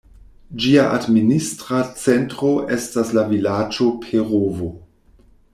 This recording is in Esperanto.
Ĝia administra centro estas la vilaĝo Perovo.